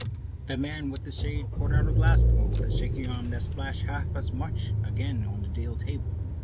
The man with the shade poured out a glassful with a shaking hand, that splashed half as much again on the deal table.